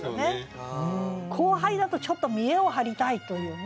後輩だとちょっと見えを張りたいというね